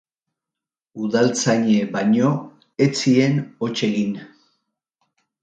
Udaltzainei baino ez zien hots egin.